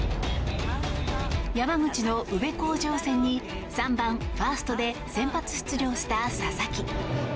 山口の宇部鴻城戦に３番ファーストで先発出場した佐々木。